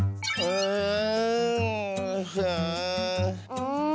うん。